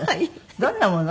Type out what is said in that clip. どんなもの？